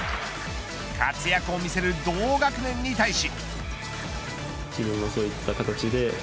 活躍を見せる同学年に対し。